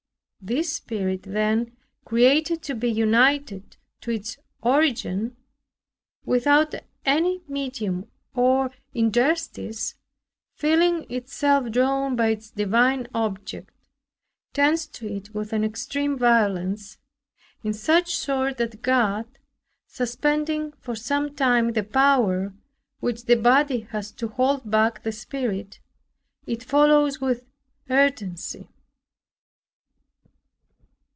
This spirit then, created to be united to its Origin, without any medium or interstice, feeling itself drawn by its divine object, tends to it with an extreme violence; in such sort that God, suspending for sometime the power which the body has to hold back the spirit, it follows with ardency.